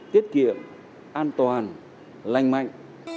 tiết kiệm an toàn lành mạnh